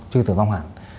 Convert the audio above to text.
chưa tử vong hẳn